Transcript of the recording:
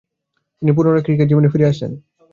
তিনি পুনরায় ক্রিকেট জীবনে ফিরে আসেন।